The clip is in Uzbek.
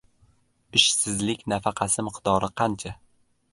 Ishsizlik nafaqasi miqdori qancha?